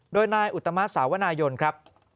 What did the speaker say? โดยนายอุตมะสาวนายนครับ